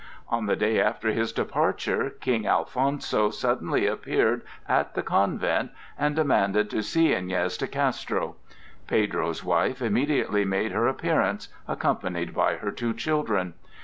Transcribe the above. On the day after his departure, King Alfonso suddenly appeared at the convent and demanded to see Iñez de Castro. Pedro's wife immediately made her appearance, accompanied by her two children.